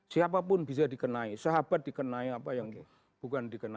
siapapun bisa dikenai sahabat dikenai